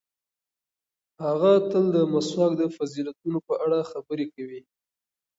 هغه تل د مسواک د فضیلتونو په اړه خبرې کوي.